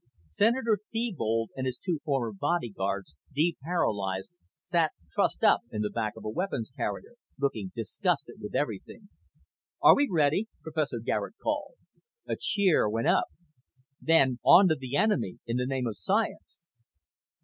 Senator Thebold and his two former bodyguards, de paralyzed, sat trussed up in the back of a weapons carrier, looking disgusted with everything. "Are we ready?" Professor Garet called. A cheer went up. "Then on to the enemy in the name of science!"